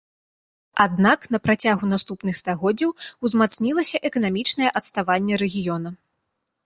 Аднак на працягу наступных стагоддзяў узмацнілася эканамічнае адставанне рэгіёна.